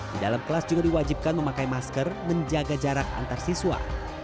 di dalam kelas juga diwajibkan memakai masker menjaga jarak antarsiswa